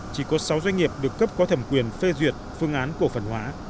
chỉ có sáu doanh nghiệp được cấp có thẩm quyền phê duyệt phương án cổ phần hóa